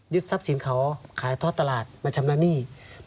ทรัพย์สินเขาขายทอดตลาดมาชำระหนี้